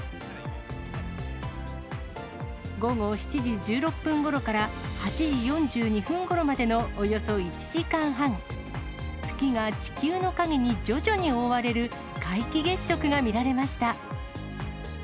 午後７時１６分ごろから８時４２分ごろまでのおよそ１時間半、月が地球の陰に徐々に覆われる、皆既月食が見られました。